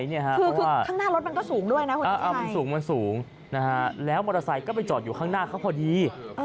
คือข้างหน้ารถมันก็สูงด้วยนะคุณสูงมันสูงแล้วมอเตอร์ไซค์ก็ไปจอดอยู่ข้างหน้าเขาพอดี